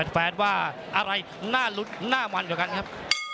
แฟนว่าอะไรน่ารุ้นหน้ามันกว่ากันครับ